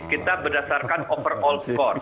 kita berdasarkan overall score